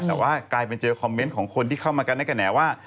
แต่ว่ากลายเป็นเจอคอมเมนต์ของคนที่เข้ามากันในกระแหน่ว่า